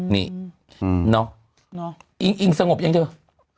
นี่เนาะอิงสงบอย่างเงี้ย